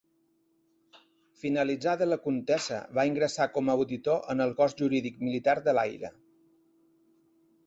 Finalitzada la contesa va ingressar com a auditor en el Cos Jurídic Militar de l'Aire.